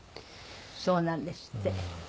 そうなんですって。